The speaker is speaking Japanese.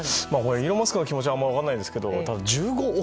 イーロン・マスクの気持ちはあんまり分からないんですけど１５億